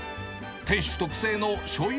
店主特製のしょうゆ